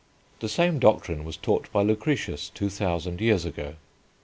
The same doctrine was taught by Lucretius, two thousand years ago.